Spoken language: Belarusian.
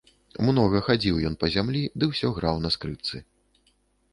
Многа хадзіў ён па зямлі ды ўсё граў на скрыпцы.